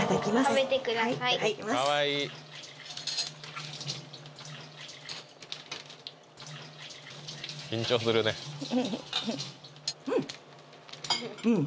食べてください緊張するねうん！